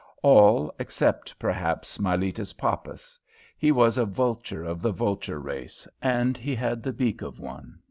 All, except, perhaps, Miletus Poppas. He was a vulture of the vulture race, and he had the beak of one.